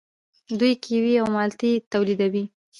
دوی کیوي او مالټې تولیدوي.